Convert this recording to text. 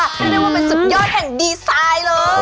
เรียกได้ว่าเป็นสุดยอดแห่งดีไซน์เลย